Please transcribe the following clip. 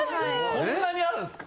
こんなにあるんすか？